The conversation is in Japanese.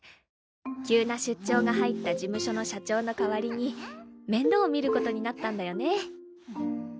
急な出張が入った事務所の社長の代わりに面倒を見ることになったんだよね